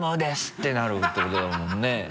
ってなるってことだもんね。